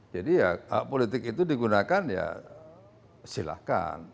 jadi ya hak politik itu digunakan ya silahkan